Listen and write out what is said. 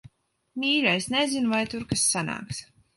Mīļais, nezinu, vai tur kas sanāks.